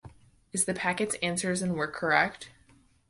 Is the packet’s answers and work correct?